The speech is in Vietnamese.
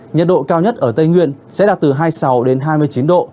nhật độ cao nhất ở tây nguyên sẽ là từ hai mươi sáu đến hai mươi chín độ